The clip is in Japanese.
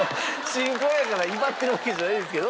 新婚やから威張ってるわけじゃないんですけど。